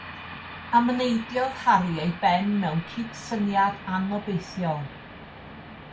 Amneidiodd Harry ei ben mewn cydsyniad anobeithiol.